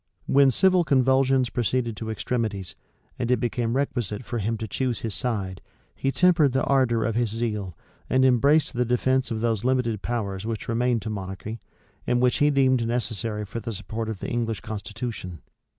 When civil convulsions proceeded to extremities, and it became requisite for him to choose his side, he tempered the ardor of his zeal, and embraced the defence of those limited powers which remained to monarchy, and which he deemed necessary for the support of the English constitution.